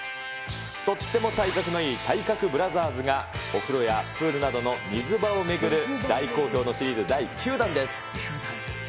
とっても体格のいい体格ブラザーズがお風呂やプールなどの水場を巡る大好評のシリーズ第９弾です。